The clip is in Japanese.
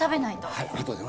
はい。